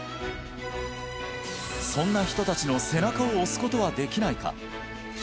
そんな人達の背中を押すことはできないか